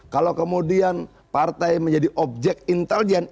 kalau kemudian partai menjadi objek intelijen